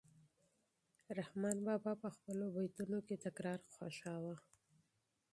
رحمان بابا په خپلو بیتونو کې تکرار خوښاوه.